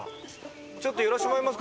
ちょっと寄らせてもらいますか？